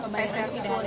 sebanyak itu tidak ada